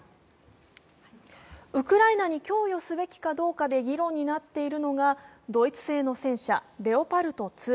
ウクライナに供与すべきかどうかで議論になっているのが、ドイツ製の戦車、レオパルト２。